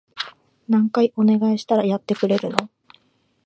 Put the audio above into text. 何回お願いしたらやってくれるの？